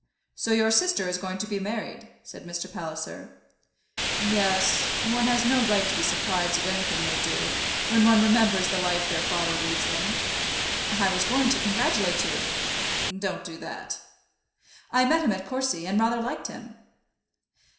"So your sister is going to be married?" said Mr. Palliser. "Yes. One has no right to be surprised at anything they do, when one remembers the life their father leads them." "I was going to congratulate you." "Don't do that." "I met him at Courcy, and rather liked him."